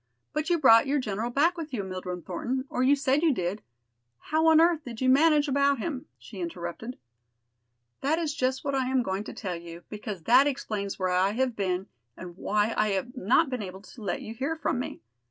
"But you brought your general back with you, Mildred Thornton, or you said you did. How on earth did you manage about him?" she interrupted. "That is just what I am going to tell you, because that explains where I have been and why I have not been able to let you hear from me.